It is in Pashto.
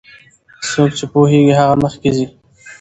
څوک چې پوهیږي هغه مخکې ځي.